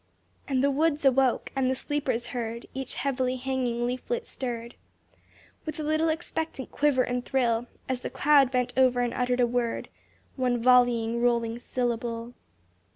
And the woods awoke, and the sleepers heard, Each heavily hanging leaflet stirred With a little expectant quiver and thrill, As the cloud bent over and uttered a word, One volleying, rolling syllable.